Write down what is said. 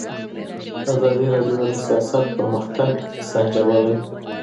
ازادي راډیو د سیاست پرمختګ سنجولی.